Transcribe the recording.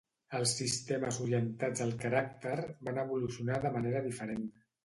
Els sistemes orientats al caràcter van evolucionar de manera diferent.